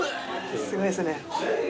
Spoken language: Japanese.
すごいですね。